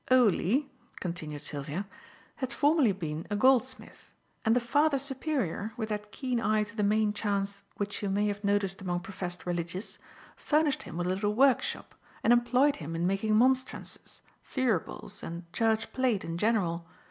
" oli," continued Sylvia, "had formerly been a goldsmith; and the Father Superior, with that keen eye to the main chance which you may have noticed among professed religious, furnished him with a little workshop and employed him in making monstrances, thuribles and church plate in general.